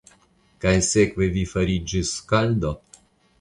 Kaj sekve vi fariĝis skaldo?